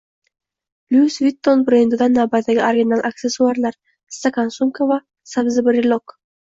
Louis Vuitton brendidan navbatdagi original aksessuarlar: stakan-sumka va sabzi-brelok